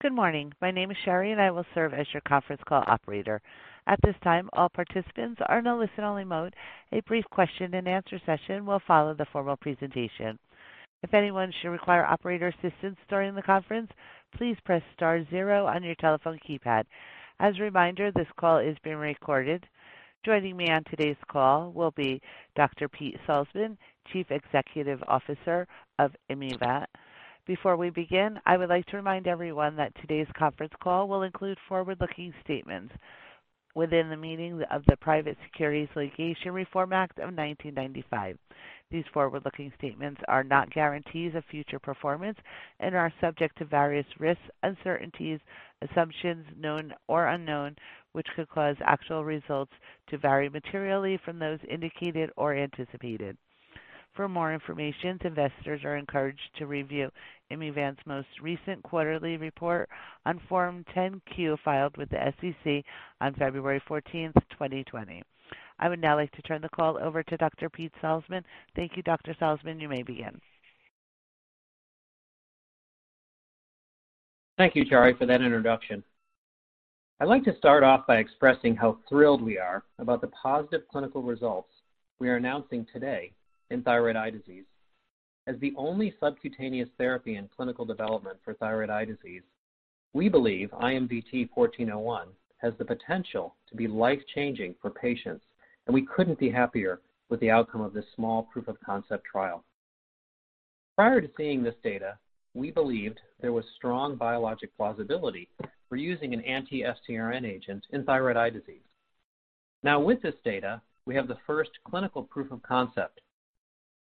Good morning. My name is Sherry, and I will serve as your conference call operator. At this time, all participants are in a listen-only mode. A brief Q&A session will follow the formal presentation. If anyone should require operator assistance during the conference, please press star zero on your telephone keypad. As a reminder, this call is being recorded. Joining me on today's call will be Dr. Pete Salzmann, Chief Executive Officer of Immunovant. Before we begin, I would like to remind everyone that today's conference call will include forward-looking statements within the meaning of the Private Securities Litigation Reform Act of 1995. These forward-looking statements are not guarantees of future performance and are subject to various risks, uncertainties, assumptions known or unknown, which could cause actual results to vary materially from those indicated or anticipated. For more information, investors are encouraged to review Immunovant's most recent quarterly report on Form 10-Q filed with the SEC on February 14th, 2020. I would now like to turn the call over to Dr. Pete Salzmann. Thank you, Dr. Salzmann. You may begin. Thank you, Sherry, for that introduction. I'd like to start off by expressing how thrilled we are about the positive clinical results we are announcing today in thyroid eye disease. As the only subcutaneous therapy in clinical development for thyroid eye disease, we believe IMVT-1401 has the potential to be life-changing for patients, we couldn't be happier with the outcome of this small proof of concept trial. Prior to seeing this data, we believed there was strong biologic plausibility for using an anti-FcRn agent in thyroid eye disease.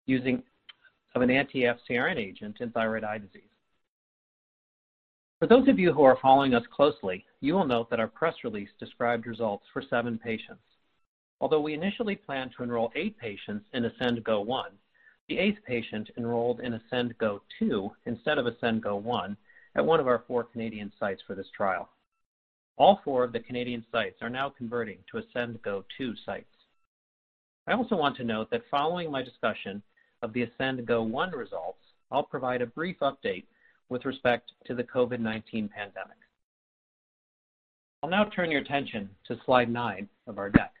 With this data, we have the first clinical proof of concept of an anti-FcRn agent in thyroid eye disease. For those of you who are following us closely, you will note that our press release described results for seven patients. Although we initially planned to enroll eight patients in ASCEND GO-1, the eighth patient enrolled in ASCEND GO-2 instead of ASCEND GO-1 at one of our four Canadian sites for this trial. All four of the Canadian sites are now converting to ASCEND GO-2 sites. I also want to note that following my discussion of the ASCEND GO-1 results, I'll provide a brief update with respect to the COVID-19 pandemic. I'll now turn your attention to slide nine of our deck.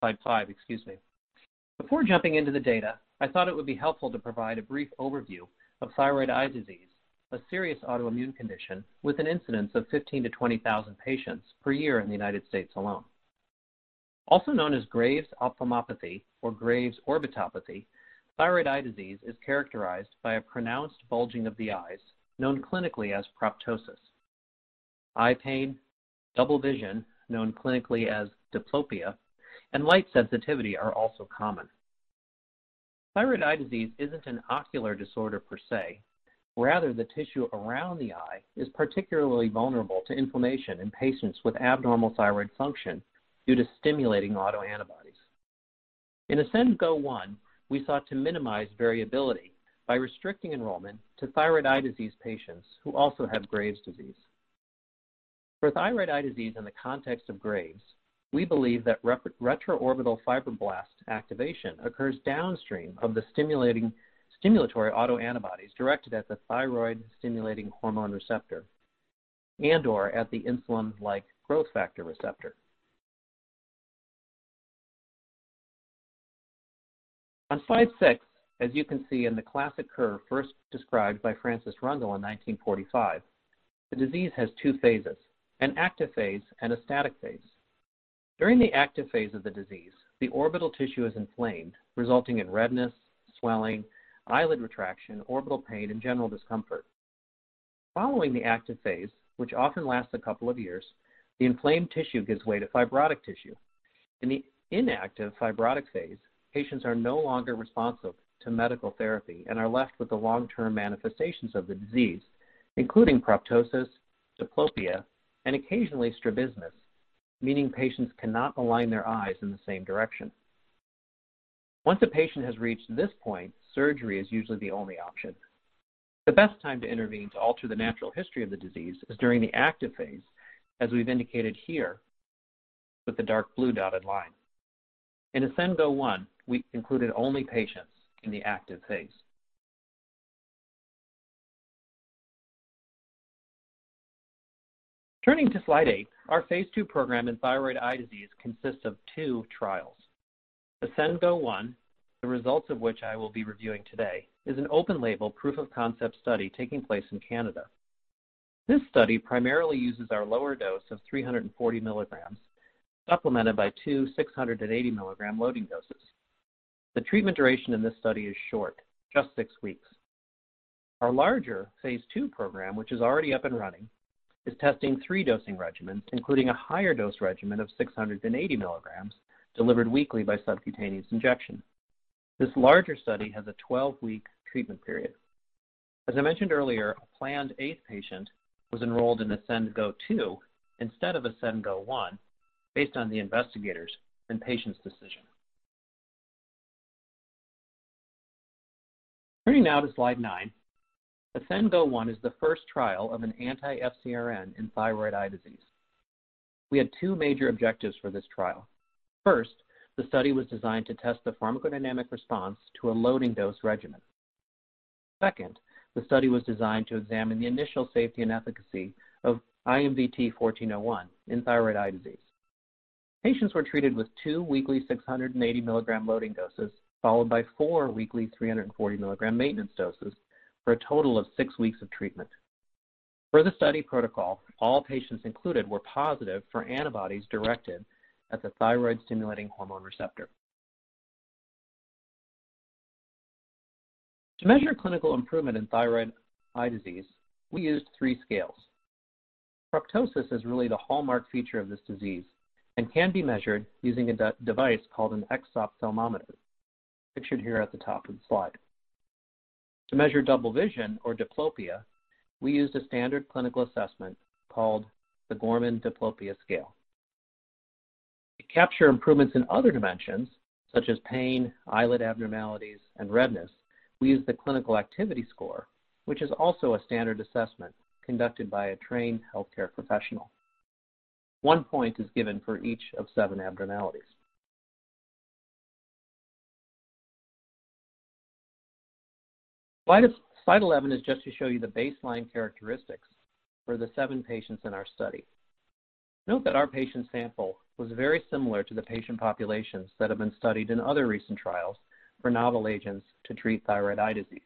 Slide five, excuse me. Before jumping into the data, I thought it would be helpful to provide a brief overview of thyroid eye disease, a serious autoimmune condition with an incidence of 15,000-20,000 patients per year in the U.S. alone. Also known as Graves' ophthalmopathy or Graves' orbitopathy, thyroid eye disease is characterized by a pronounced bulging of the eyes, known clinically as proptosis. Eye pain, double vision, known clinically as diplopia, and light sensitivity are also common. Thyroid eye disease isn't an ocular disorder per se. Rather, the tissue around the eye is particularly vulnerable to inflammation in patients with abnormal thyroid function due to stimulating autoantibodies. In ASCEND GO-1, we sought to minimize variability by restricting enrollment to thyroid eye disease patients who also have Graves' disease. For thyroid eye disease in the context of Graves, we believe that retro-orbital fibroblast activation occurs downstream of the stimulatory autoantibodies directed at the thyroid-stimulating hormone receptor and/or at the insulin-like growth factor receptor. On slide six, as you can see in the classic curve first described by Francis Rundle in 1945, the disease has two phases, an active phase and a static phase. During the active phase of the disease, the orbital tissue is inflamed, resulting in redness, swelling, eyelid retraction, orbital pain, and general discomfort. Following the active phase, which often lasts a couple of years, the inflamed tissue gives way to fibrotic tissue. In the inactive fibrotic phase, patients are no longer responsive to medical therapy and are left with the long-term manifestations of the disease, including proptosis, diplopia, and occasionally strabismus, meaning patients cannot align their eyes in the same direction. Once a patient has reached this point, surgery is usually the only option. The best time to intervene to alter the natural history of the disease is during the active phase, as we've indicated here with the dark blue dotted line. In ASCEND GO-1, we included only patients in the active phase. Turning to slide eight, our phase II program in thyroid eye disease consists of two trials. ASCEND GO-1, the results of which I will be reviewing today, is an open-label proof of concept study taking place in Canada. This study primarily uses our lower dose of 340 milligrams, supplemented by two 680 milligram loading doses. The treatment duration in this study is short, just six weeks. Our larger phase II program, which is already up and running, is testing three dosing regimens, including a higher dose regimen of 680 milligrams delivered weekly by subcutaneous injection. This larger study has a 12-week treatment period. As I mentioned earlier, a planned eighth patient was enrolled in ASCEND GO-2 instead of ASCEND GO-1 based on the investigator's and patient's decision. Turning now to slide nine, ASCEND GO-1 is the first trial of an anti-FcRn in thyroid eye disease. We had two major objectives for this trial. First, the study was designed to test the pharmacodynamic response to a loading dose regimen. Second, the study was designed to examine the initial safety and efficacy of IMVT-1401 in thyroid eye disease. Patients were treated with two weekly 680 milligram loading doses, followed by four weekly 340 milligram maintenance doses for a total of six weeks of treatment. For the study protocol, all patients included were positive for antibodies directed at the thyroid-stimulating hormone receptor. To measure clinical improvement in thyroid eye disease, we used three scales. Proptosis is really the hallmark feature of this disease and can be measured using a device called an exophthalmometer, pictured here at the top of the slide. To measure double vision, or diplopia, we used a standard clinical assessment called the Gorman Diplopia Scale. To capture improvements in other dimensions such as pain, eyelid abnormalities, and redness, we used the Clinical Activity Score, which is also a standard assessment conducted by a trained healthcare professional. One point is given for each of seven abnormalities. Slide 11 is just to show you the baseline characteristics for the seven patients in our study. Note that our patient sample was very similar to the patient populations that have been studied in other recent trials for novel agents to treat thyroid eye disease.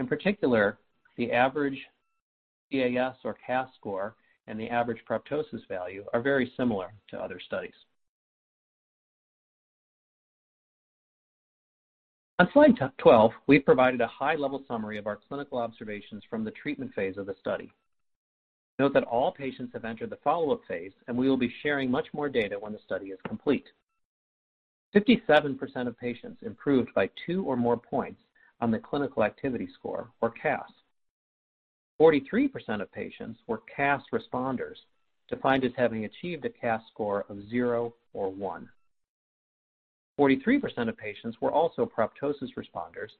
In particular, the average CAS or CAS score and the average proptosis value are very similar to other studies. On slide 12, we've provided a high-level summary of our clinical observations from the treatment phase of the study. Note that all patients have entered the follow-up phase, and we will be sharing much more data when the study is complete. 57% of patients improved by two or more points on the Clinical Activity Score, or CAS. 43% of patients were CAS responders, defined as having achieved a CAS score of zero or one. 43% of patients were also proptosis responders,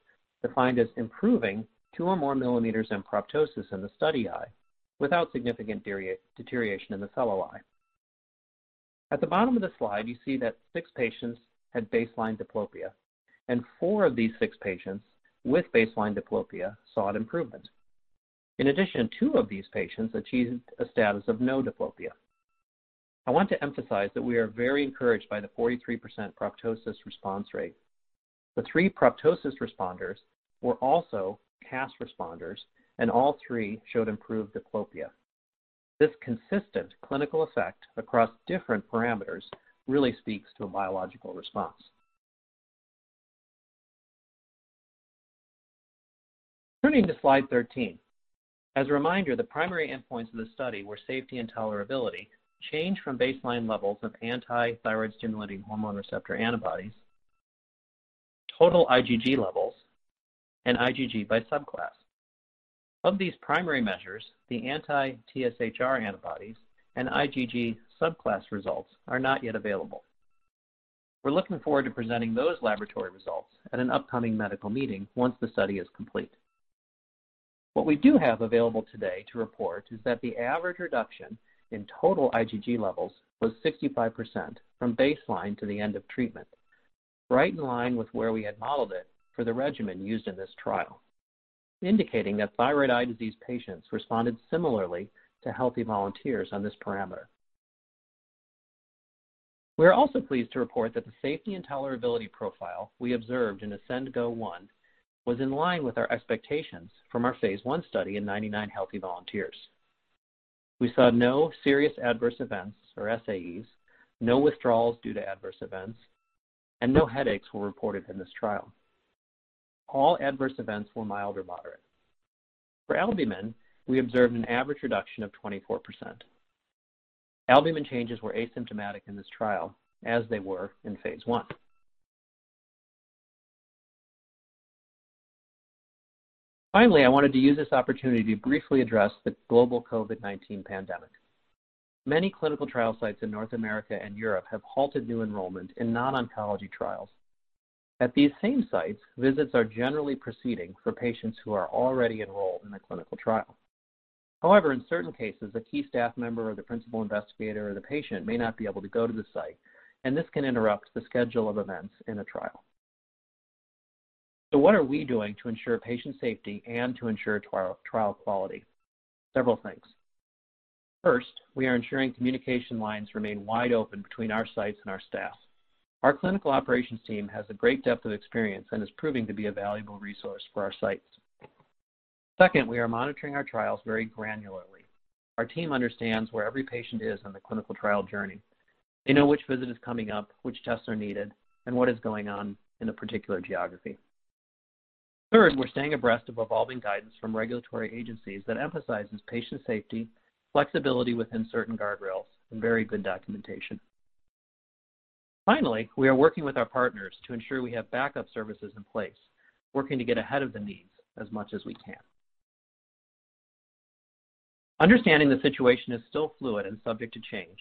defined as improving two or more millimeters in proptosis in the study eye without significant deterioration in the fellow eye. At the bottom of the slide, you see that six patients had baseline diplopia, and four of these six patients with baseline diplopia saw an improvement. In addition, two of these patients achieved a status of no diplopia. I want to emphasize that we are very encouraged by the 43% proptosis response rate. The three proptosis responders were also CAS responders, and all three showed improved diplopia. This consistent clinical effect across different parameters really speaks to a biological response. Turning to slide 13. As a reminder, the primary endpoints of the study were safety and tolerability, change from baseline levels of anti-thyroid-stimulating hormone receptor antibodies, total IgG levels, and IgG by subclass. Of these primary measures, the anti-TSHR antibodies and IgG subclass results are not yet available. We're looking forward to presenting those laboratory results at an upcoming medical meeting once the study is complete. What we do have available today to report is that the average reduction in total IgG levels was 65% from baseline to the end of treatment, right in line with where we had modeled it for the regimen used in this trial, indicating that thyroid eye disease patients responded similarly to healthy volunteers on this parameter. We're also pleased to report that the safety and tolerability profile we observed in ASCEND GO-1 was in line with our expectations from our phase I study in 99 healthy volunteers. We saw no serious adverse events, or SAEs, no withdrawals due to adverse events, and no headaches were reported in this trial. All adverse events were mild or moderate. For albumin, we observed an average reduction of 24%. Albumin changes were asymptomatic in this trial, as they were in phase I. I wanted to use this opportunity to briefly address the global COVID-19 pandemic. Many clinical trial sites in North America and Europe have halted new enrollment in non-oncology trials. At these same sites, visits are generally proceeding for patients who are already enrolled in a clinical trial. In certain cases, a key staff member or the principal investigator or the patient may not be able to go to the site, and this can interrupt the schedule of events in a trial. What are we doing to ensure patient safety and to ensure trial quality? Several things. First, we are ensuring communication lines remain wide open between our sites and our staff. Our clinical operations team has a great depth of experience and is proving to be a valuable resource for our sites. Second, we are monitoring our trials very granularly. Our team understands where every patient is on the clinical trial journey. They know which visit is coming up, which tests are needed, and what is going on in a particular geography. Third, we're staying abreast of evolving guidance from regulatory agencies that emphasizes patient safety, flexibility within certain guardrails, and very good documentation. Finally, we are working with our partners to ensure we have backup services in place, working to get ahead of the needs as much as we can. Understanding the situation is still fluid and subject to change,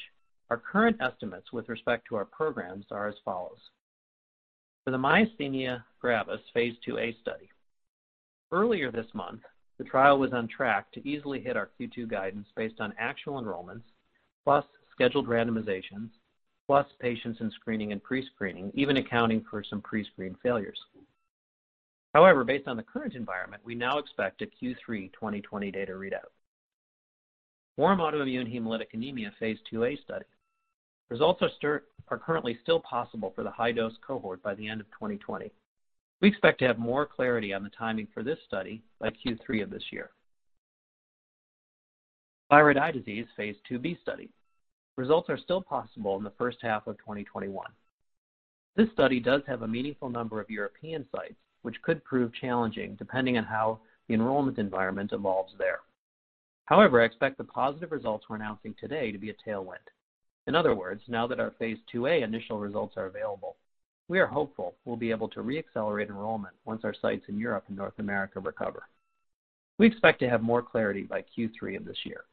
our current estimates with respect to our programs are as follows. For the myasthenia gravis phase II-A study. Earlier this month, the trial was on track to easily hit our Q2 guidance based on actual enrollments, plus scheduled randomizations, plus patients in screening and pre-screening, even accounting for some pre-screen failures. However, based on the current environment, we now expect a Q3 2020 data readout. Warm autoimmune hemolytic anemia phase II-A study. Results are currently still possible for the high-dose cohort by the end of 2020. We expect to have more clarity on the timing for this study by Q3 of this year. Thyroid eye disease phase II-B study. Results are still possible in the first half of 2021. This study does have a meaningful number of European sites, which could prove challenging depending on how the enrollment environment evolves there. However, I expect the positive results we're announcing today to be a tailwind. In other words, now that our phase II-A initial results are available, we are hopeful we'll be able to re-accelerate enrollment once our sites in Europe and North America recover. We expect to have more clarity by Q3 of this year.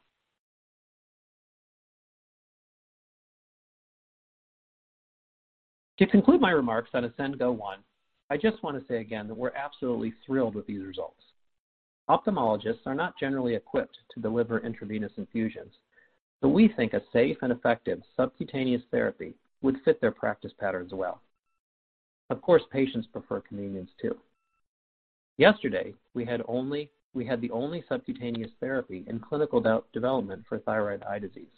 To conclude my remarks on ASCEND GO-1, I just want to say again that we're absolutely thrilled with these results. Ophthalmologists are not generally equipped to deliver intravenous infusions. We think a safe and effective subcutaneous therapy would fit their practice patterns well. Of course, patients prefer convenience, too. Yesterday, we had the only subcutaneous therapy in clinical development for thyroid eye disease.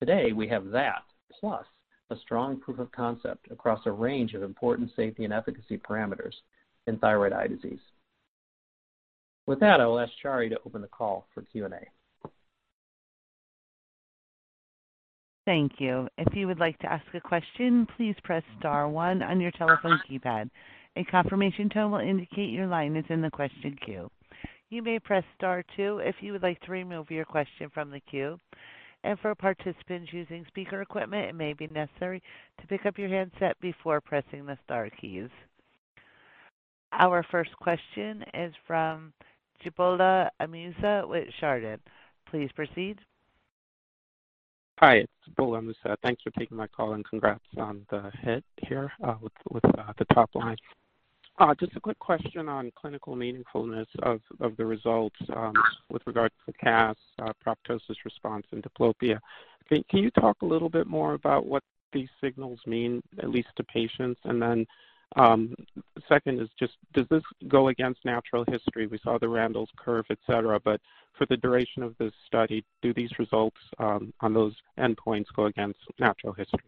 Today, we have that plus a strong proof of concept across a range of important safety and efficacy parameters in thyroid eye disease. With that, I will ask Sherry to open the call for Q&A. Thank you. If you would like to ask a question, please press star one on your telephone keypad. A confirmation tone will indicate your line is in the question queue. You may press star two if you would like to remove your question from the queue. For participants using speaker equipment, it may be necessary to pick up your handset before pressing the star keys. Our first question is from Gbola Amusa with Chardan. Please proceed. Hi, it's Gbola Amusa. Thanks for taking my call and congrats on the hit here with the top line. Just a quick question on clinical meaningfulness of the results with regard to the CAS proptosis response and diplopia. Can you talk a little bit more about what these signals mean, at least to patients? Second is just does this go against natural history? We saw the Rundle's curve, et cetera, but for the duration of this study, do these results on those endpoints go against natural history?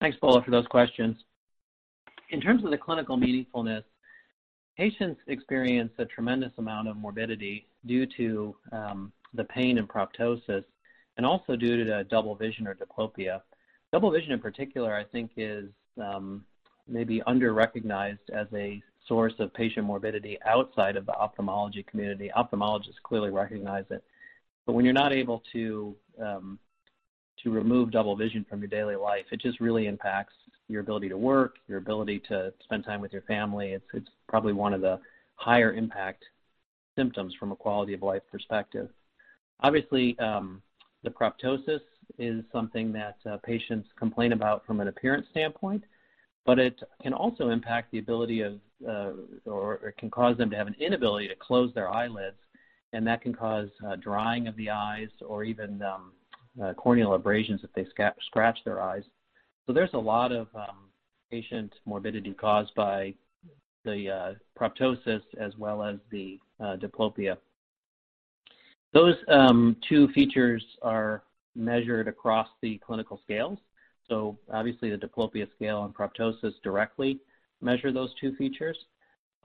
Thanks, Gbola, for those questions. In terms of the clinical meaningfulness, patients experience a tremendous amount of morbidity due to the pain and proptosis and also due to the double vision or diplopia. Double vision in particular, I think is maybe under-recognized as a source of patient morbidity outside of the ophthalmology community. Ophthalmologists clearly recognize it. When you're not able to remove double vision from your daily life, it just really impacts your ability to work, your ability to spend time with your family. It's probably one of the higher impact symptoms from a quality of life perspective. Obviously, the proptosis is something that patients complain about from an appearance standpoint, but it can also impact the ability of, or it can cause them to have an inability to close their eyelids, and that can cause drying of the eyes or even corneal abrasions if they scratch their eyes. There's a lot of patient morbidity caused by the proptosis as well as the diplopia. Those two features are measured across the clinical scales. Obviously the diplopia scale and proptosis directly measure those two features.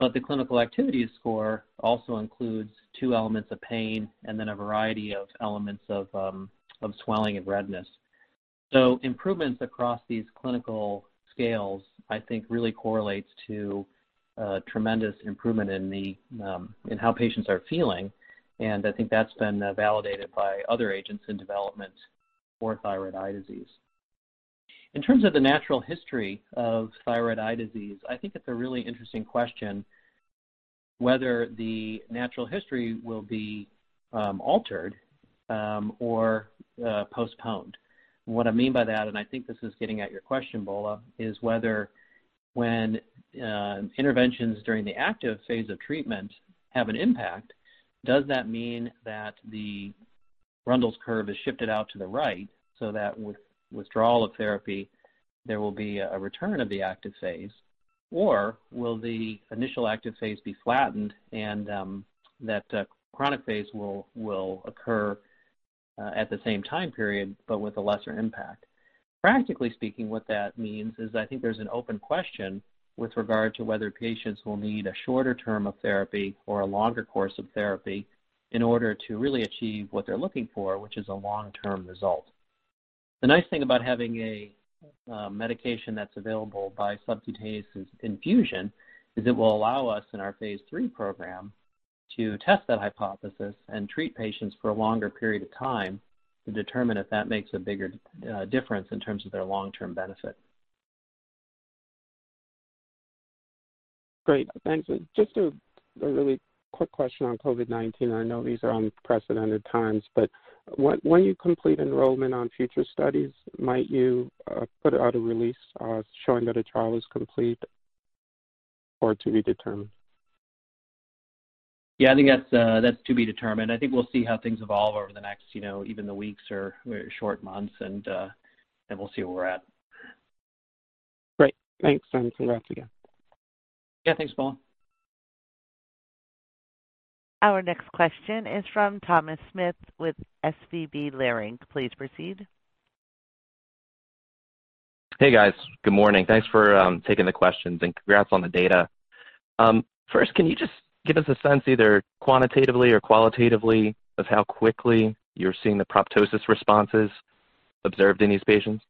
The Clinical Activity Score also includes two elements of pain and then a variety of elements of swelling and redness. Improvements across these clinical scales I think really correlates to a tremendous improvement in how patients are feeling, and I think that's been validated by other agents in development for thyroid eye disease. In terms of the natural history of thyroid eye disease, I think it's a really interesting question whether the natural history will be altered or postponed. What I mean by that, I think this is getting at your question, Gbola, is whether when interventions during the active phase of treatment have an impact, does that mean that the Rundle's curve is shifted out to the right so that with withdrawal of therapy, there will be a return of the active phase? Will the initial active phase be flattened and that chronic phase will occur at the same time period, but with a lesser impact? Practically speaking, what that means is I think there's an open question with regard to whether patients will need a shorter term of therapy or a longer course of therapy in order to really achieve what they're looking for, which is a long-term result. The nice thing about having a medication that's available by subcutaneous infusion is it will allow us in our phase III program to test that hypothesis and treat patients for a longer period of time to determine if that makes a bigger difference in terms of their long-term benefit. Great. Thanks. Just a really quick question on COVID-19. I know these are unprecedented times. When you complete enrollment on future studies, might you put out a release showing that a trial is complete or to be determined? I think that's to be determined. I think we'll see how things evolve over the next even the weeks or very short months, then we'll see where we're at. Great. Thanks. Congrats again. Yeah. Thanks, Gbola. Our next question is from Thomas Smith with SVB Leerink. Please proceed. Hey, guys. Good morning. Thanks for taking the questions. Congrats on the data. First, can you just give us a sense, either quantitatively or qualitatively, of how quickly you're seeing the proptosis responses observed in these patients?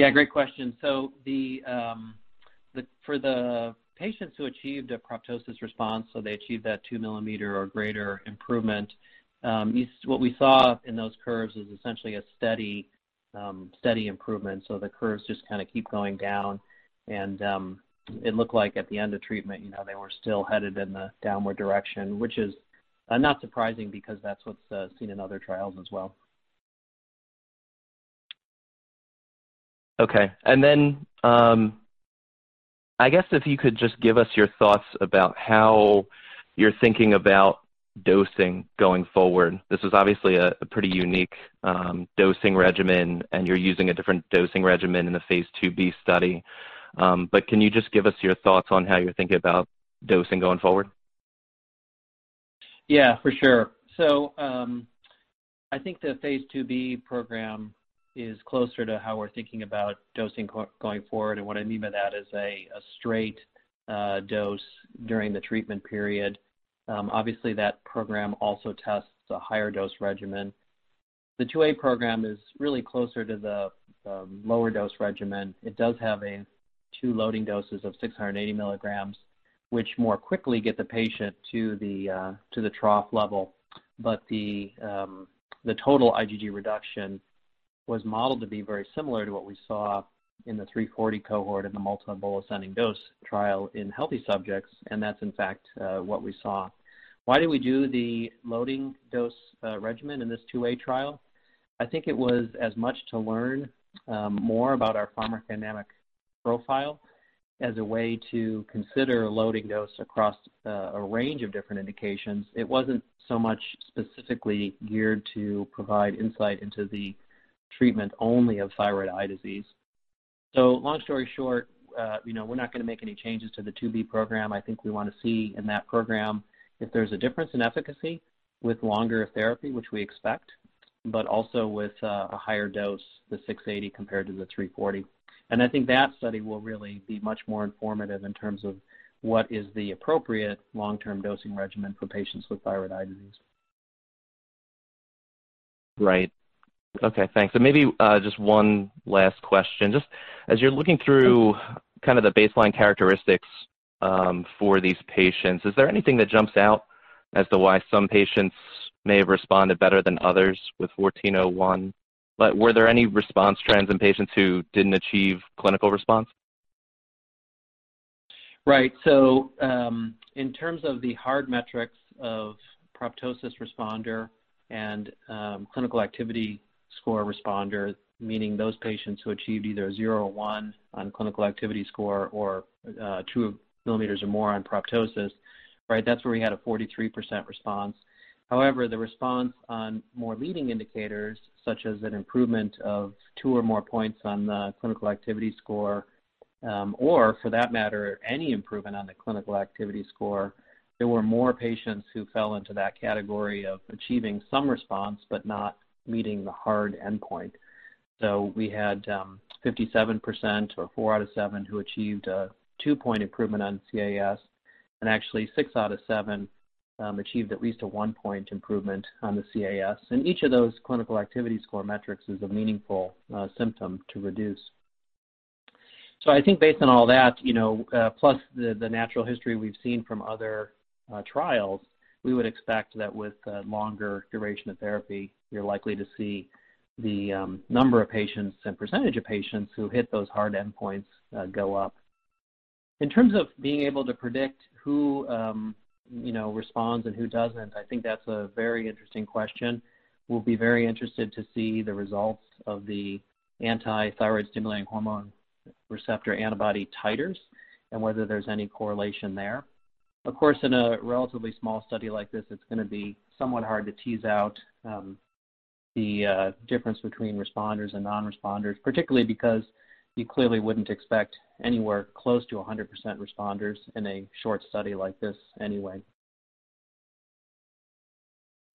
Yeah, great question. For the patients who achieved a proptosis response, so they achieved that 2 millimeter or greater improvement, what we saw in those curves is essentially a steady improvement. The curves just keep going down, and it looked like at the end of treatment, they were still headed in the downward direction, which is not surprising because that's what's seen in other trials as well. Okay. I guess if you could just give us your thoughts about how you're thinking about dosing going forward. This is obviously a pretty unique dosing regimen, and you're using a different dosing regimen in the phase II-B study. Can you just give us your thoughts on how you're thinking about dosing going forward? Yeah, for sure. I think the phase II-B program is closer to how we're thinking about dosing going forward. What I mean by that is a straight dose during the treatment period. Obviously, that program also tests a higher dose regimen. The phase II-A program is really closer to the lower dose regimen. It does have two loading doses of 680 milligrams, which more quickly get the patient to the trough level. The total IgG reduction was modeled to be very similar to what we saw in the 340 cohort in the multiple ascending-dose trial in healthy subjects, and that's in fact what we saw. Why did we do the loading dose regimen in this phase II-A trial? I think it was as much to learn more about our pharmacodynamic profile as a way to consider a loading dose across a range of different indications. It wasn't so much specifically geared to provide insight into the treatment only of thyroid eye disease. Long story short, we're not going to make any changes to the phase II-B program. I think we want to see in that program if there's a difference in efficacy with longer therapy, which we expect, but also with a higher dose, the 680 compared to the 340. I think that study will really be much more informative in terms of what is the appropriate long-term dosing regimen for patients with thyroid eye disease. Right. Okay, thanks. Maybe just one last question. Just as you're looking through the baseline characteristics for these patients, is there anything that jumps out as to why some patients may have responded better than others with 1401? Were there any response trends in patients who didn't achieve clinical response? Right. In terms of the hard metrics of proptosis responder and Clinical Activity Score responder, meaning those patients who achieved either a zero or one on Clinical Activity Score or 2 millimeters or more on proptosis. That's where we had a 43% response. However, the response on more leading indicators, such as an improvement of two or more points on the Clinical Activity Score, or for that matter, any improvement on the Clinical Activity Score, there were more patients who fell into that category of achieving some response but not meeting the hard endpoint. We had 57% or four out of seven who achieved a two-point improvement on CAS, and actually six out of seven achieved at least a one-point improvement on the CAS. Each of those Clinical Activity Score metrics is a meaningful symptom to reduce. I think based on all that, plus the natural history we've seen from other trials, we would expect that with longer duration of therapy, you're likely to see the number of patients and percentage of patients who hit those hard endpoints go up. In terms of being able to predict who responds and who doesn't, I think that's a very interesting question. We'll be very interested to see the results of the anti-thyroid-stimulating hormone receptor antibody titers and whether there's any correlation there. Of course, in a relatively small study like this, it's going to be somewhat hard to tease out the difference between responders and non-responders, particularly because you clearly wouldn't expect anywhere close to 100% responders in a short study like this anyway.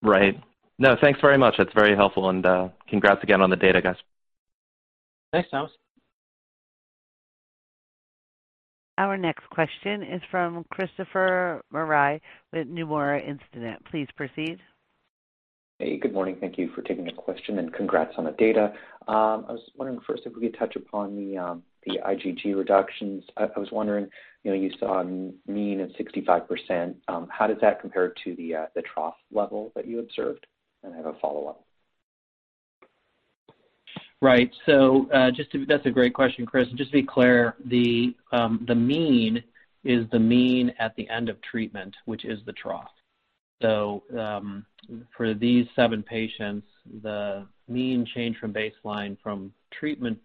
Right. No, thanks very much. That's very helpful. Congrats again on the data, guys. Thanks, Thomas. Our next question is from Christopher Marai with Nomura Instinet. Please proceed. Hey, good morning. Thank you for taking the question and congrats on the data. I was wondering first if we could touch upon the IgG reductions. I was wondering, you saw a mean of 65%. How does that compare to the trough level that you observed? I have a follow-up. Right. That's a great question, Chris. Just to be clear, the mean is the mean at the end of treatment, which is the trough. For these seven patients, the mean change from baseline from treatment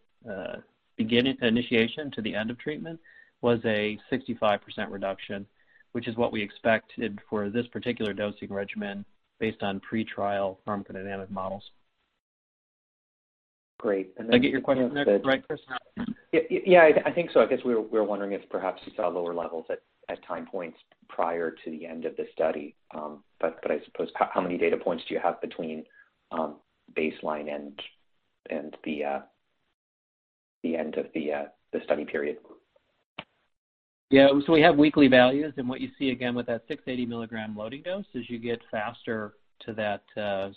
initiation to the end of treatment was a 65% reduction, which is what we expected for this particular dosing regimen based on pre-trial pharmacodynamic models. Great. Did I get your question there right, Chris? Yeah, I think so. I guess we were wondering if perhaps you saw lower levels at time points prior to the end of the study. I suppose, how many data points do you have between baseline and the end of the study period? Yeah. We have weekly values, and what you see again with that 680 milligram loading dose is you get faster to that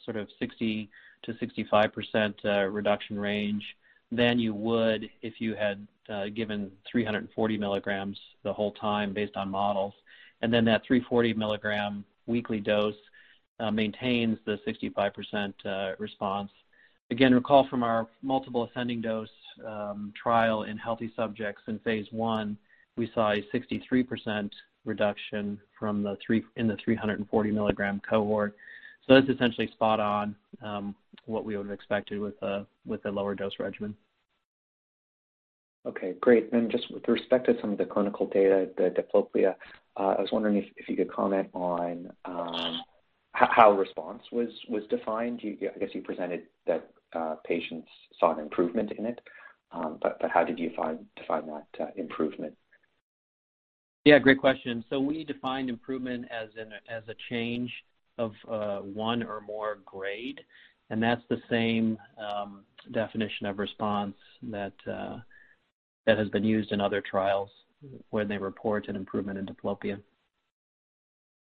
sort of 60%-65% reduction range than you would if you had given 340 milligrams the whole time based on models. Then that 340 milligram weekly dose maintains the 65% response. Again, recall from our multiple ascending dose trial in healthy subjects in phase I, we saw a 63% reduction in the 340 milligram cohort. That's essentially spot on what we would have expected with a lower dose regimen. Okay, great. Just with respect to some of the clinical data, the diplopia, I was wondering if you could comment on how response was defined. I guess you presented that patients saw an improvement in it, but how did you define that improvement? Yeah, great question. We defined improvement as a change of 1 or more grade, and that's the same definition of response that has been used in other trials when they report an improvement in diplopia.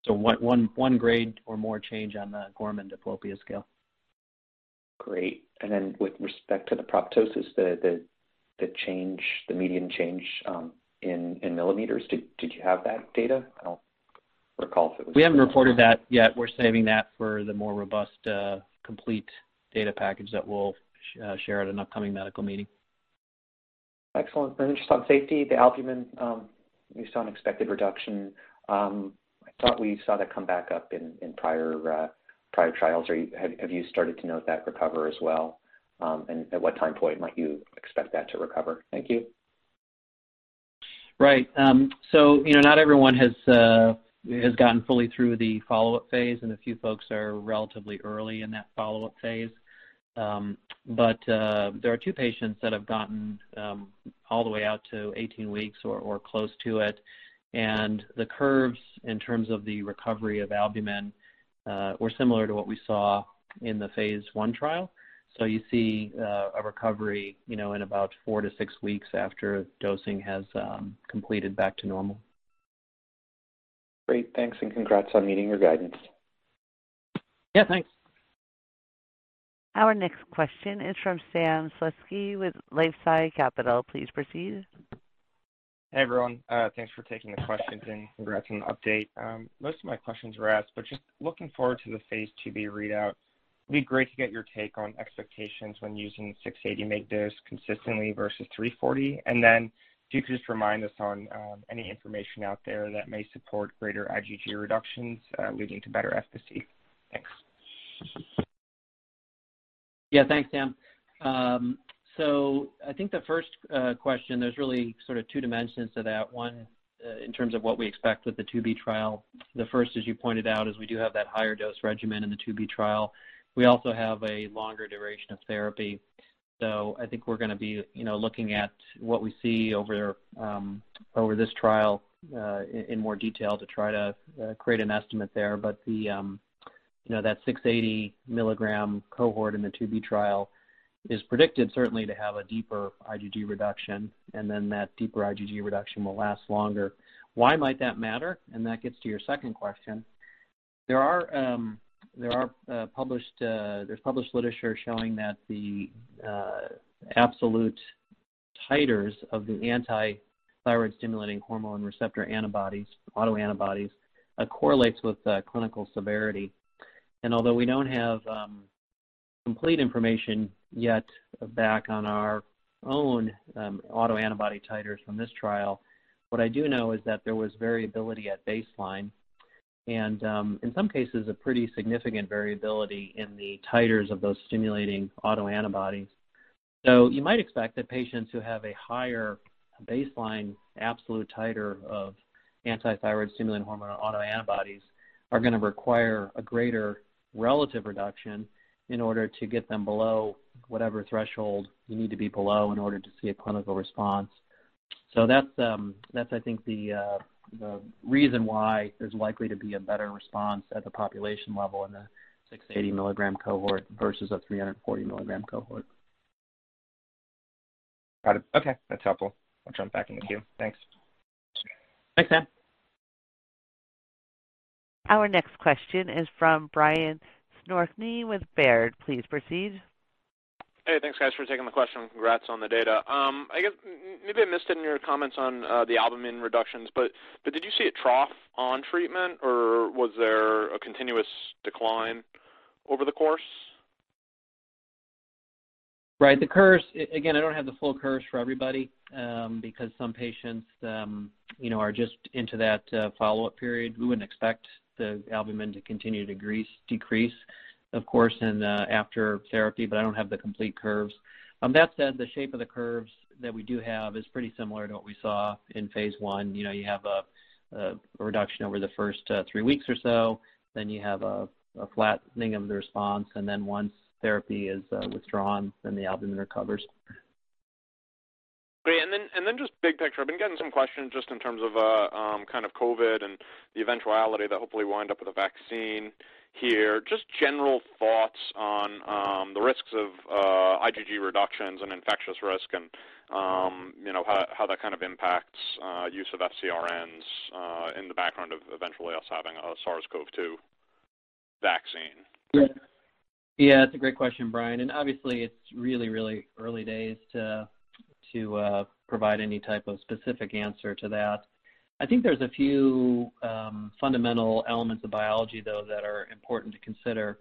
One grade or more change on the Gorman Diplopia Scale. Great. With respect to the proptosis, the median change in millimeters, did you have that data? I don't recall if it was. We haven't reported that yet. We're saving that for the more robust complete data package that we'll share at an upcoming medical meeting. Excellent. Just on safety, the albumin, you saw an expected reduction. I thought we saw that come back up in prior trials. Have you started to note that recover as well? At what time point might you expect that to recover? Thank you. Right. Not everyone has gotten fully through the follow-up phase, and a few folks are relatively early in that follow-up phase. There are two patients that have gotten all the way out to 18 weeks or close to it. The curves, in terms of the recovery of albumin, were similar to what we saw in the phase I trial. You see a recovery in about four to six weeks after dosing has completed back to normal. Great. Thanks, and congrats on meeting your guidance. Yeah, thanks. Our next question is from Sam Slutsky with LifeSci Capital. Please proceed. Hey, everyone. Thanks for taking the questions and congrats on the update. Most of my questions were asked, just looking forward to the Phase II-B readout. It'd be great to get your take on expectations when using 680 mg dose consistently versus 340. If you could just remind us on any information out there that may support greater IgG reductions leading to better efficacy. Thanks. Yeah, thanks, Sam. I think the first question, there's really sort of two dimensions to that. One, in terms of what we expect with the phase II-B trial. The first, as you pointed out, is we do have that higher dose regimen in the phase II-B trial. We also have a longer duration of therapy. I think we're going to be looking at what we see over this trial in more detail to try to create an estimate there. That 680 milligram cohort in the phase II-B trial is predicted certainly to have a deeper IgG reduction, and then that deeper IgG reduction will last longer. Why might that matter? That gets to your second question. There's published literature showing that the absolute titers of the anti-thyroid-stimulating hormone receptor antibodies, autoantibodies, correlates with clinical severity. Although we don't have complete information yet back on our own autoantibody titers from this trial, what I do know is that there was variability at baseline and, in some cases, a pretty significant variability in the titers of those stimulating autoantibodies. You might expect that patients who have a higher baseline absolute titer of anti-thyroid-stimulating hormone autoantibodies are going to require a greater relative reduction in order to get them below whatever threshold you need to be below in order to see a clinical response. That's I think the reason why there's likely to be a better response at the population level in the 680 milligram cohort versus a 340 milligram cohort. Got it. Okay, that's helpful. I'll jump back in the queue. Thanks. Thanks, Sam. Our next question is from Brian Skorney with Baird. Please proceed. Hey, thanks guys for taking the question. Congrats on the data. I guess maybe I missed it in your comments on the albumin reductions, but did you see a trough on treatment, or was there a continuous decline over the course? Right. The curves, again, I don't have the full curves for everybody, because some patients are just into that follow-up period. We wouldn't expect the albumin to continue to decrease, of course, after therapy, but I don't have the complete curves. That said, the shape of the curves that we do have is pretty similar to what we saw in phase I. You have a reduction over the first three weeks or so, then you have a flattening of the response, and then once therapy is withdrawn, then the albumin recovers. Great. Just big picture, I've been getting some questions just in terms of COVID and the eventuality that hopefully we wind up with a vaccine here. Just general thoughts on the risks of IgG reductions and infectious risk, and how that impacts use of FcRns in the background of eventually us having a SARS-CoV-2 vaccine. Yeah, that's a great question, Brian. Obviously, it's really early days to provide any type of specific answer to that. I think there's a few fundamental elements of biology, though, that are important to consider.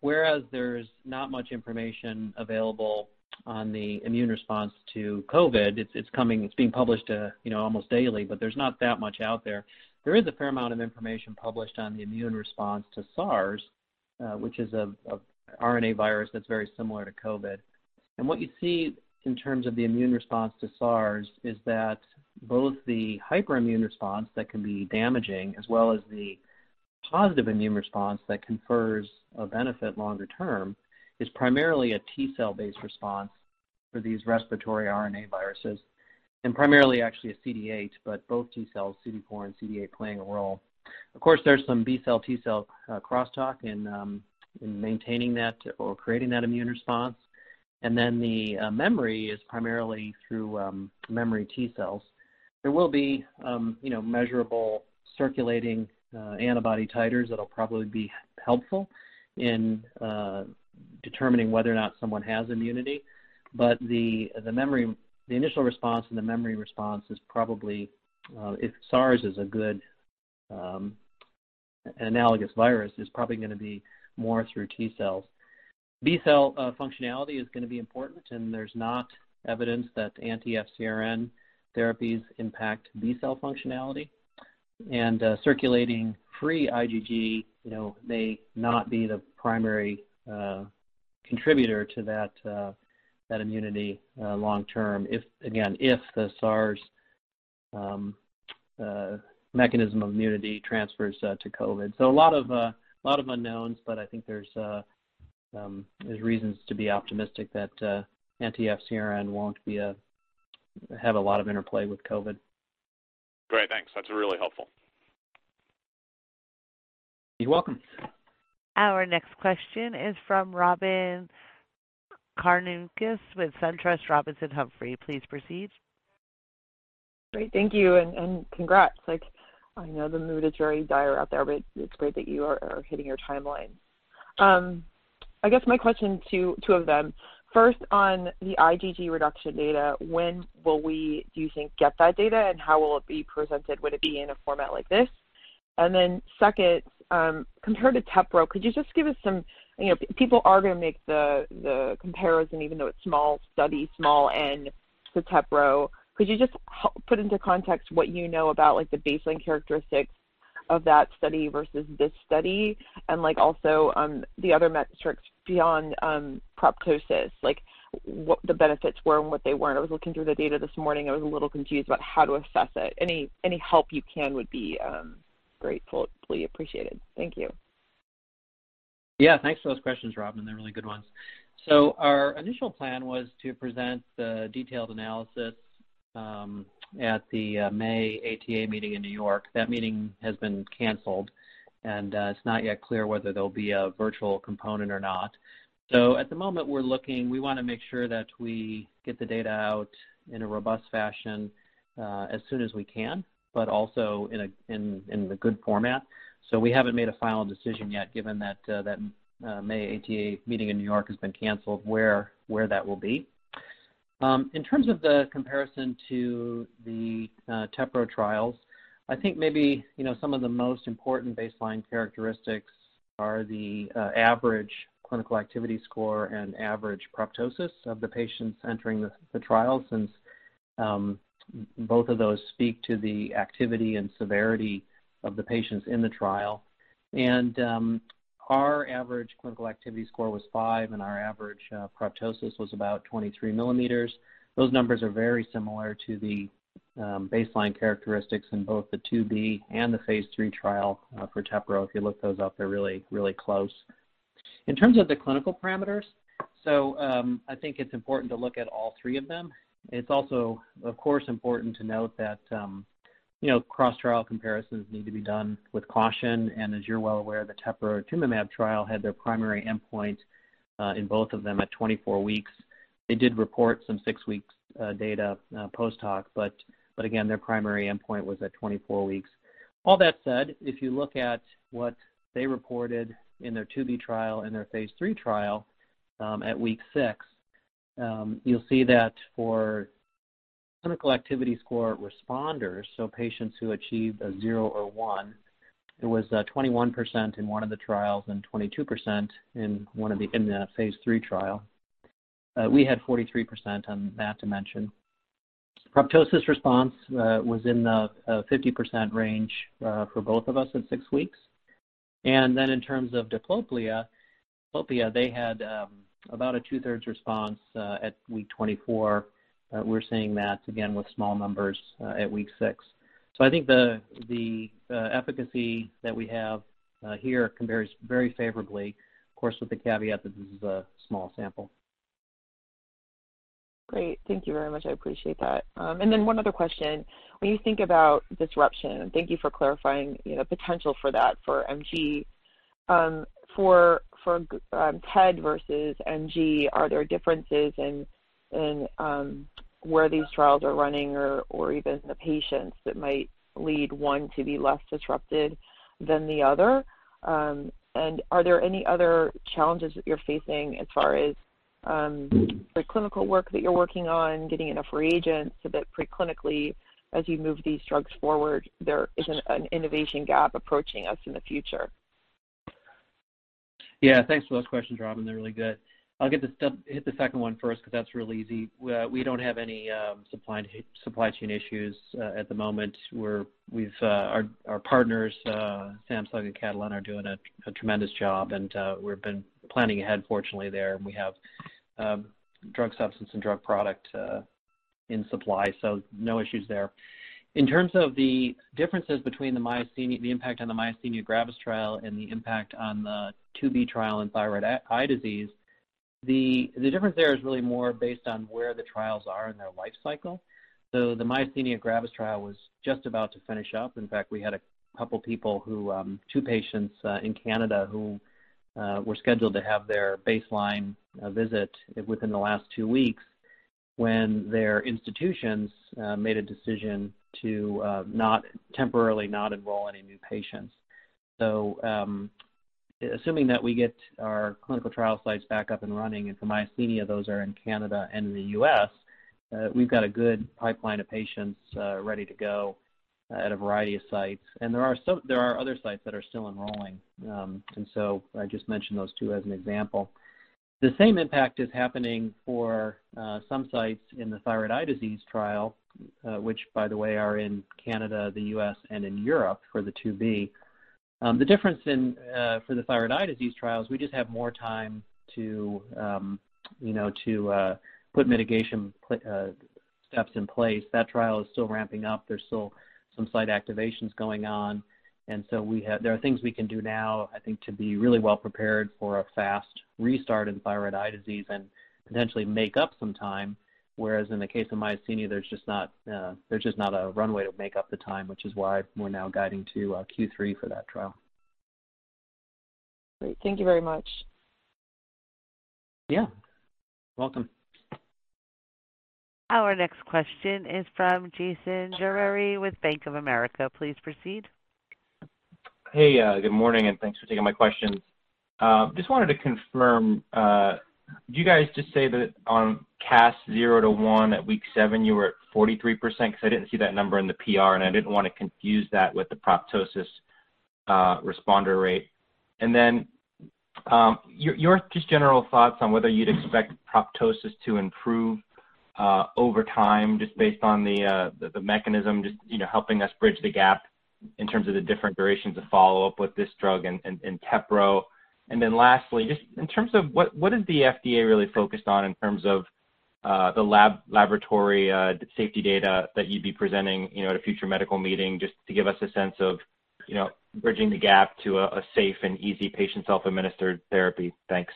Whereas there's not much information available on the immune response to COVID, it's being published almost daily, but there's not that much out there. There is a fair amount of information published on the immune response to SARS, which is a RNA virus that's very similar to COVID. What you see in terms of the immune response to SARS is that both the hyperimmune response that can be damaging, as well as the positive immune response that confers a benefit longer term, is primarily a T cell-based response for these respiratory RNA viruses, and primarily actually a CD8, but both T cells, CD4 and CD8, playing a role. Of course, there's some B cell/T cell crosstalk in maintaining that or creating that immune response. The memory is primarily through memory T cells. There will be measurable circulating antibody titers that'll probably be helpful in determining whether or not someone has immunity. The initial response and the memory response is probably, if SARS is a good analogous virus, is probably going to be more through T cells. B cell functionality is going to be important, and there's not evidence that anti-FcRn therapies impact B cell functionality. Circulating free IgG may not be the primary contributor to that immunity long term, again, if the SARS mechanism of immunity transfers to COVID. A lot of unknowns, but I think there's reasons to be optimistic that anti-FcRn won't have a lot of interplay with COVID. Great. Thanks. That's really helpful. You're welcome. Our next question is from Robyn Karnauskas with SunTrust Robinson Humphrey. Please proceed. Great. Thank you, and congrats. I know the mood is very dire out there, but it's great that you are hitting your timeline. I guess my question, two of them. First, on the IgG reduction data, when will we, do you think, get that data, and how will it be presented? Would it be in a format like this? Second, compared to TEPEZZA, could you just give us some. People are going to make the comparison, even though it's small study, small N to TEPEZZA. Could you just put into context what you know about the baseline characteristics of that study versus this study, the other metrics beyond proptosis, like what the benefits were and what they weren't? I was looking through the data this morning. I was a little confused about how to assess it. Any help you can would be gratefully appreciated. Thank you. Yeah. Thanks for those questions, Robyn. They're really good ones. Our initial plan was to present the detailed analysis at the May ATA meeting in New York. That meeting has been canceled, and it's not yet clear whether there'll be a virtual component or not. At the moment, we want to make sure that we get the data out in a robust fashion as soon as we can, but also in the good format. We haven't made a final decision yet, given that May ATA meeting in New York has been canceled, where that will be. In terms of the comparison to the Tepro trials, I think maybe some of the most important baseline characteristics are the average Clinical Activity Score and average proptosis of the patients entering the trial, since both of those speak to the activity and severity of the patients in the trial. Our average Clinical Activity Score was five, and our average proptosis was about 23 millimeters. Those numbers are very similar to the baseline characteristics in both the phase II-B and the phase III trial for TEPEZZA. If you look those up, they're really close. In terms of the clinical parameters, I think it's important to look at all three of them. It's also, of course, important to note that cross-trial comparisons need to be done with caution. As you're well aware, the teprotumumab trial had their primary endpoint in both of them at 24 weeks. They did report some six weeks data post hoc, again, their primary endpoint was at 24 weeks. All that said, if you look at what they reported in their phase II-B trial and their phase III trial, at week six, you'll see that for Clinical Activity Score responders, so patients who achieved a zero or one, it was 21% in one of the trials and 22% in the phase III trial. We had 43% on that dimension. Proptosis response was in the 50% range for both of us at six weeks. In terms of diplopia, they had about a two-thirds response at week 24. We're seeing that, again, with small numbers at week six. I think the efficacy that we have here compares very favorably, of course, with the caveat that this is a small sample. Great. Thank you very much. I appreciate that. Then one other question. When you think about disruption, and thank you for clarifying, potential for that for MG. For TED versus MG, are there differences in where these trials are running or even the patients that might lead one to be less disrupted than the other? Are there any other challenges that you're facing as far as the clinical work that you're working on, getting enough reagents so that pre-clinically, as you move these drugs forward, there isn't an innovation gap approaching us in the future? Thanks for those questions, Robyn. They're really good. I'll hit the second one first because that's real easy. We don't have any supply chain issues at the moment, our partners, Samsung and Catalent, are doing a tremendous job, and we've been planning ahead, fortunately, there. We have drug substance and drug product in supply, no issues there. In terms of the differences between the impact on the myasthenia gravis trial and the impact on the phase II-B trial in thyroid eye disease, the difference there is really more based on where the trials are in their life cycle. The myasthenia gravis trial was just about to finish up. In fact, we had a couple people, two patients in Canada who were scheduled to have their baseline visit within the last two weeks when their institutions made a decision to temporarily not enroll any new patients. Assuming that we get our clinical trial sites back up and running, and for myasthenia, those are in Canada and in the U.S., we've got a good pipeline of patients ready to go at a variety of sites. There are other sites that are still enrolling. I just mentioned those two as an example. The same impact is happening for some sites in the thyroid eye disease trial, which by the way, are in Canada, the U.S., and in Europe for the phase II-B. The difference for the thyroid eye disease trials, we just have more time to put mitigation steps in place. That trial is still ramping up. There's still some site activations going on. There are things we can do now, I think, to be really well prepared for a fast restart in thyroid eye disease and potentially make up some time, whereas in the case of myasthenia, there's just not a runway to make up the time, which is why we're now guiding to Q3 for that trial. Great. Thank you very much. Yeah. Welcome. Our next question is from Jason Gerberry with Bank of America. Please proceed. Hey, good morning. Thanks for taking my questions. Just wanted to confirm, did you guys just say that on CAS zero-one at week seven, you were at 43%? I didn't see that number in the PR, and I didn't want to confuse that with the proptosis responder rate. Your just general thoughts on whether you'd expect proptosis to improve over time just based on the mechanism, just helping us bridge the gap in terms of the different durations of follow-up with this drug and TEPEZZA. Lastly, just in terms of what is the FDA really focused on in terms of the laboratory safety data that you'd be presenting at a future medical meeting, just to give us a sense of bridging the gap to a safe and easy patient self-administered therapy. Thanks.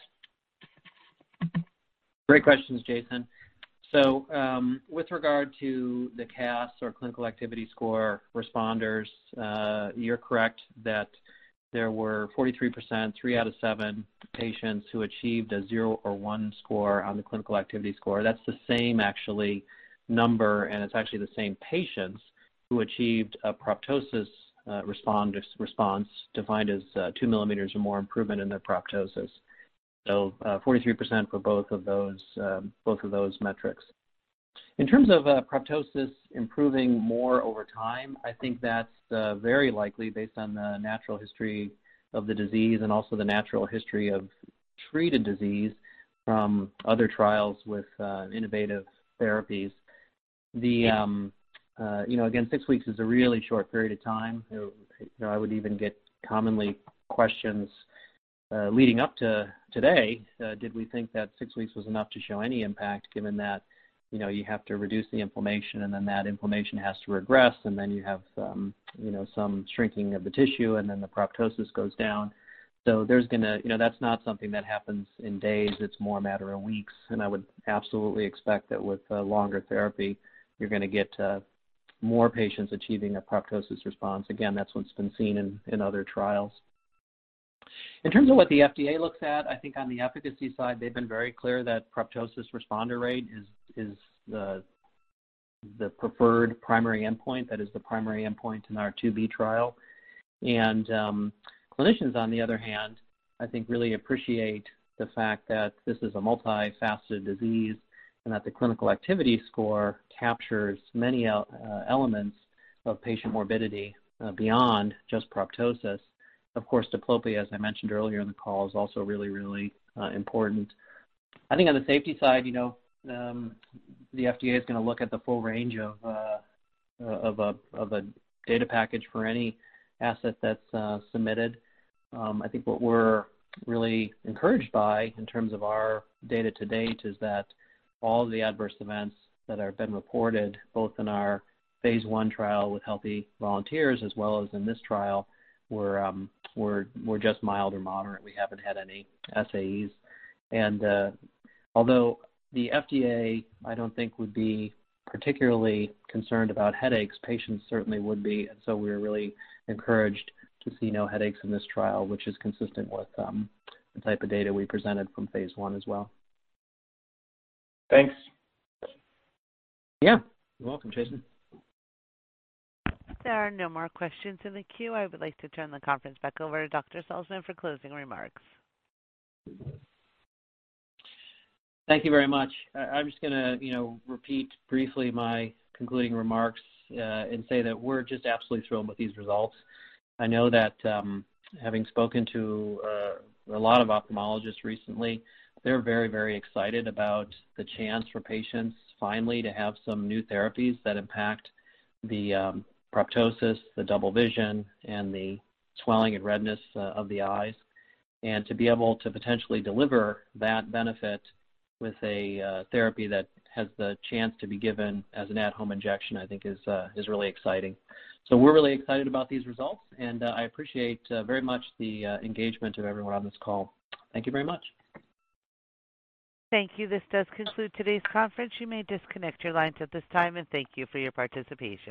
Great questions, Jason. With regard to the CAS or Clinical Activity Score responders, you're correct that there were 43%, three out of seven patients who achieved a zero or one score on the Clinical Activity Score. That's the same actually, number, and it's actually the same patients who achieved a proptosis response defined as 2 millimeters or more improvement in their proptosis. 43% for both of those metrics. In terms of proptosis improving more over time, I think that's very likely based on the natural history of the disease and also the natural history of treated disease from other trials with innovative therapies. Again, six weeks is a really short period of time. I would even get common questions leading up to today, did we think that six weeks was enough to show any impact given that you have to reduce the inflammation and then that inflammation has to regress, and then you have some shrinking of the tissue, and then the proptosis goes down. That's not something that happens in days. It's more a matter of weeks, and I would absolutely expect that with longer therapy, you're going to get more patients achieving a proptosis response. That's what's been seen in other trials. In terms of what the FDA looks at, I think on the efficacy side, they've been very clear that proptosis responder rate is the preferred primary endpoint. That is the primary endpoint in our phase II-B trial. Clinicians, on the other hand, I think really appreciate the fact that this is a multifaceted disease and that the Clinical Activity Score captures many elements of patient morbidity beyond just proptosis. Of course, diplopia, as I mentioned earlier in the call, is also really important. I think on the safety side, the FDA is going to look at the full range of a data package for any asset that's submitted. I think what we're really encouraged by in terms of our data to date is that all the adverse events that have been reported, both in our phase I trial with healthy volunteers as well as in this trial, were just mild or moderate. We haven't had any SAEs. Although the FDA, I don't think would be particularly concerned about headaches, patients certainly would be. We're really encouraged to see no headaches in this trial, which is consistent with the type of data we presented from phase I as well. Thanks. Yeah. You're welcome, Jason. There are no more questions in the queue. I would like to turn the conference back over to Dr. Salzmann for closing remarks. Thank you very much. I'm just going to repeat briefly my concluding remarks and say that we're just absolutely thrilled with these results. I know that having spoken to a lot of ophthalmologists recently, they're very, very excited about the chance for patients finally to have some new therapies that impact the proptosis, the double vision, and the swelling and redness of the eyes. To be able to potentially deliver that benefit with a therapy that has the chance to be given as an at-home injection, I think is really exciting. We're really excited about these results, and I appreciate very much the engagement of everyone on this call. Thank you very much. Thank you. This does conclude today's conference. You may disconnect your lines at this time, and thank you for your participation.